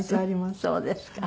そうですか。